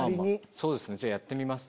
そうですねやってみます。